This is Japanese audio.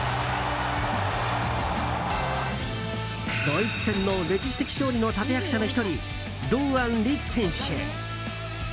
ドイツ戦の歴史的勝利の立役者の１人、堂安律選手。